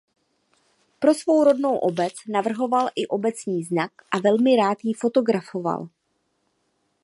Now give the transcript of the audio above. Pro svou rodnou obec navrhl i obecní znak a velmi rád ji fotografoval.